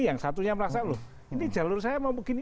yang satunya merasa loh ini jalur saya mau begini